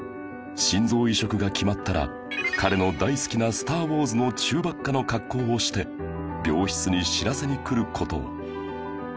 心臓移植が決まったら彼の大好きな『スター・ウォーズ』のチューバッカの格好をして病室に知らせに来る事を